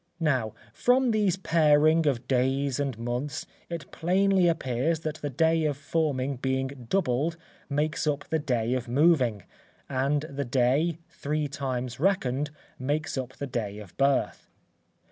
Now from these paring of days and months, it plainly appears that the day of forming being doubled, makes up the day of moving, and the day, three times reckoned, makes up the day of birth.